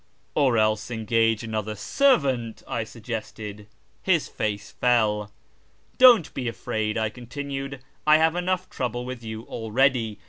" Or else engage another servant," I suggested. His face fell. " Don't be afraid," I continued :" I have enough trouble with you already.